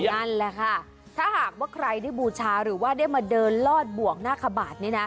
นั่นแหละค่ะถ้าหากว่าใครได้บูชาหรือว่าได้มาเดินลอดบวกหน้าขบาท